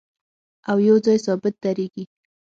او یو ځای ثابت درېږي